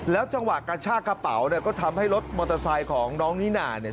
จังหวะกระชากระเป๋าเนี่ยก็ทำให้รถมอเตอร์ไซค์ของน้องนิน่าเนี่ย